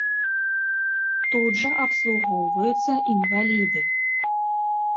Тут жа абслугоўваюцца інваліды.